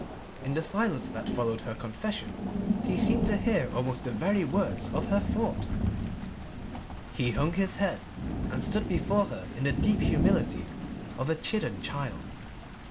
In the silence that followed her confession he seemed to hear almost the very words of her thought. He hung his head and stood before her in the deep humility of a chidden child.